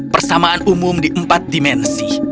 persamaan umum di empat dimensi